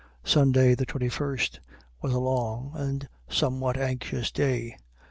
Sunday, the 21st, was a long and somewhat anxious day.